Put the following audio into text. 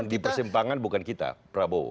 di persimpangan bukan kita prabowo